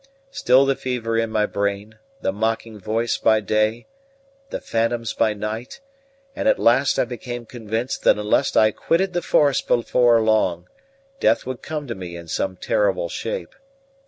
Still the fever in my brain, the mocking voice by day, the phantoms by night; and at last I became convinced that unless I quitted the forest before long, death would come to me in some terrible shape.